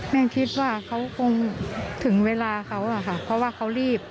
แม่คิดว่าเขาคงถึงเวลาเขาอะค่ะเพราะว่าเขารีบ